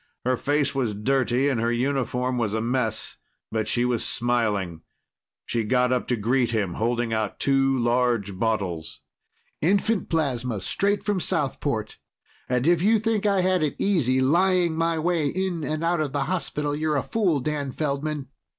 Her face was dirty and her uniform was a mess. But she was smiling. She got up to greet him, holding out two large bottles. "Infant plasma straight from Southport. And if you think I had it easy lying my way in and out of the hospital, you're a fool, Dan Feldman.